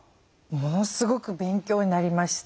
ものすごく勉強になりました。